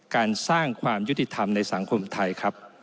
การสร้างความยุติธรรมในสังคมไทยครับ